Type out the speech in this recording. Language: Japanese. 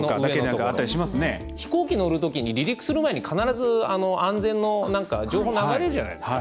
飛行機乗るときに離陸する前に必ず安全の情報流れるじゃないですか。